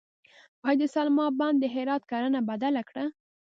آیا د سلما بند د هرات کرنه بدله کړه؟